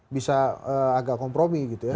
bisa agak kompromi gitu ya